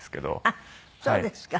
あっそうですか。